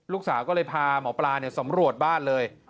ลูกสาวก็เลยพาหมอปลาสำรวจบ้านเลย